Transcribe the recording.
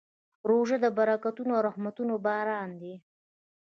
روژه د برکتونو او رحمتونو باران دی.